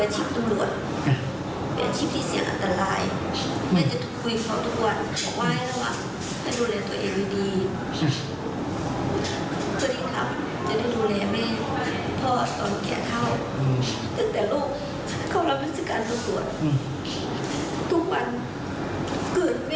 ตปาระสิ่งที่มีหัว